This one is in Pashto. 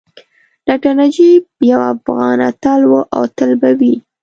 ډاکټر نجیب یو افغان اتل وو او تل به وي